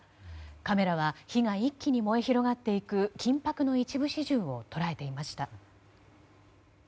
カメラは火が一気に燃え広がっていく緊迫の一部始終を捉えていました。